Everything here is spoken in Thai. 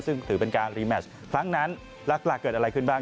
ซึ่งถือเป็นการรีแมชครั้งนั้นลักษณะเกิดอะไรขึ้นบ้าง